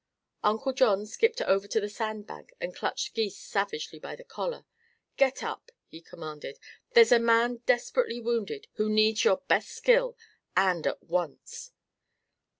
Uncle John skipped over to the sand bank and clutched Gys savagely by the collar. "Get up!" he commanded. "Here's a man desperately wounded, who needs your best skill and at once."